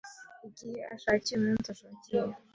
igihe ashakiye, umunsi ashakiye,